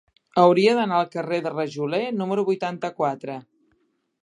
Hauria d'anar al carrer del Rajoler número vuitanta-quatre.